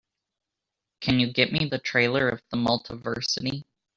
can you get me the trailer of The Multiversity?